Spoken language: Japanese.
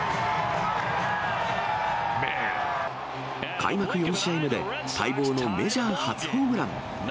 開幕４試合目で、待望のメジャー初ホームラン。